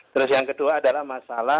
terus yang kedua adalah masalah